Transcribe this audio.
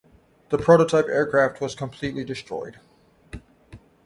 The prototype aircraft was completely destroyed.